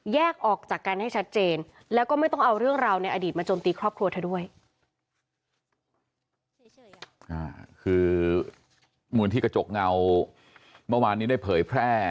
แยกออกจากกันให้ชัดเจนแล้วก็ไม่ต้องเอาเรื่องราวในอดีตมาจมตีครอบครัวเธอด้วย